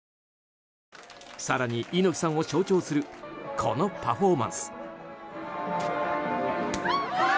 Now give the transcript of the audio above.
更に猪木さんを象徴するこのパフォーマンス。